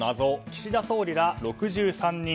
岸田総理ら６３人。